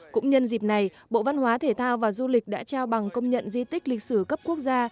cũng nhân dịp này bộ văn hóa thể thao và du lịch đã trao bằng công nhận di tích lịch sử cấp quốc gia